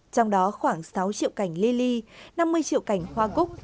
trong đó khoảng sáu triệu cảnh li li năm mươi triệu cảnh hoa cúc